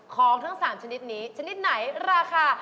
ของทั้ง๓ชนิดนี้ชนิดไหนราคา